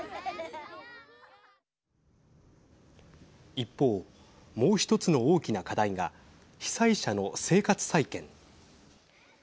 一方、もう１つの大きな課題が被災者の生活再建。